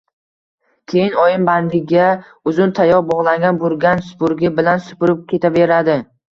Keyin oyim bandiga uzun tayoq bog‘langan burgan supurgi bilan supurib ketaveradi.